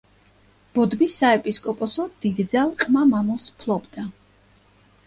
ბოდბის საეპისკოპოსო დიდძალ ყმა-მამულს ფლობდა.